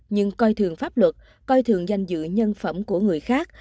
nhưng coi thường pháp luật coi thường danh dự nhân phẩm của người khác